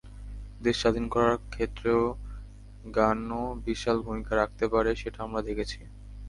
দেশ স্বাধীন করার ক্ষেত্রে গানও বিশাল ভূমিকা রাখতে পারে, সেটা আমরা দেখেছি।